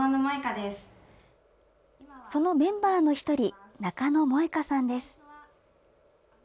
そのメンバーの１人、中野萌絵香さんです。